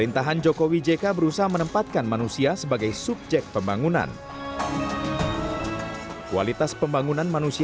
dari mana itu dikperem